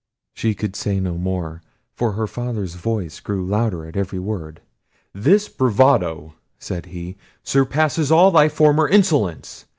She could say no more, for her father's voice grew louder at every word. "This bravado," said he, "surpasses all thy former insolence.